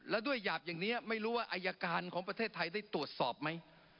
แล้วด้วยหยาบอย่างนี้ไม่รู้ว่าอายการของประเทศไทยได้ตรวจสอบไหม